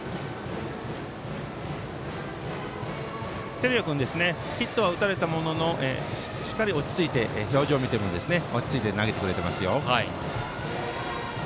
照屋君ヒットは打たれたもののしっかり落ち着いて投げてくれています。